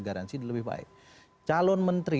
garansi lebih baik calon menteri